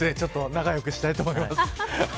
仲良くしたいと思います。